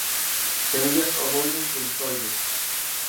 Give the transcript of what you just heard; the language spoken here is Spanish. Semillas ovoides-deltoides.